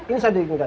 ini satu indukan